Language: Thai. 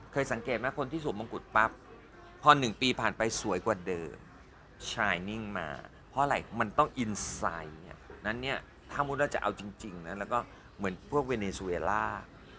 สังเกตไหมคนที่สวมมงกุฎปั๊บพอ๑ปีผ่านไปสวยกว่าเดิมชายนิ่งมาเพราะอะไรมันต้องอินไซด์นั้นเนี่ยถ้ามุติเราจะเอาจริงนะแล้วก็เหมือนพวกเวเนซูเวล่า